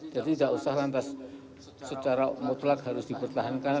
jadi enggak usah lantas secara mutlak harus dipertahankan